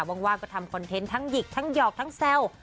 ว่างก็ทำคอนเทนต์ทั้งหยิกยอกแซว